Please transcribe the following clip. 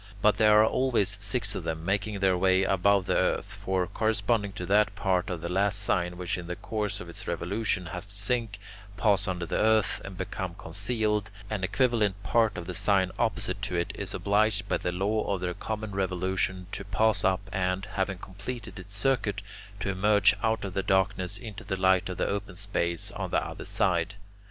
But there are always six of them making their way above the earth; for, corresponding to that part of the last sign which in the course of its revolution has to sink, pass under the earth, and become concealed, an equivalent part of the sign opposite to it is obliged by the law of their common revolution to pass up and, having completed its circuit, to emerge out of the darkness into the light of the open space on the other side.